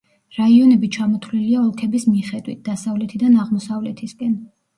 რაიონები ჩამოთვლილია ოლქების მიხედვით, დასავლეთიდან აღმოსავლეთისკენ.